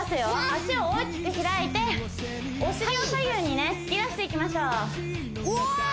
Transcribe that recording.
脚を大きく開いてお尻を左右にね突き出していきましょううわ